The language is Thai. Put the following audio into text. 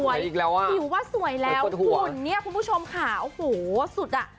หิวว่าสวยแล้วหุ่นเนี่ยคุณผู้ชมค่ะโอ้โหสุดอ่ะ